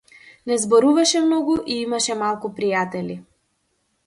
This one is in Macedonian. Не зборуваше многу и имаше малку пријатели.